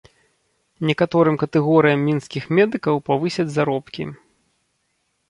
Некаторым катэгорыям мінскіх медыкаў павысяць заробкі.